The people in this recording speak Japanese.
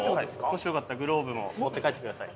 もしよかったらグローブも持って帰ってください。